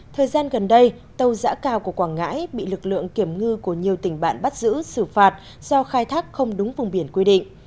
thời gian gần đây tàu giã cào của quảng ngãi bị lực lượng kiểm ngư của nhiều tỉnh bạn bắt giữ xử phạt do khai thác không đúng vùng biển quy định